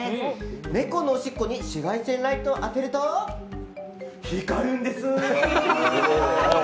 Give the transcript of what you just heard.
猫のおしっこに紫外線ライトを当てると光るんです！